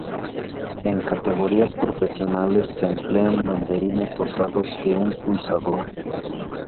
En categorías profesionales se emplean banderines dotados de un pulsador.